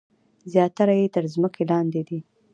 زیاتره یې تر ځمکې لاندې دي.